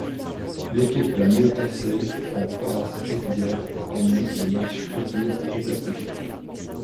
L'équipe la mieux classée en phase régulière organise les matches retour et d'appui.